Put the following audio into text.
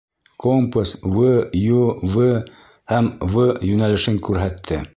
Компас В.-Ю.-В. һәм В. йүнәлешен күрһәтте.